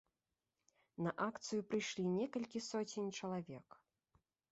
На акцыю прыйшлі некалькі соцень чалавек.